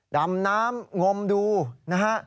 ดำน้ำงมดูนะฮะ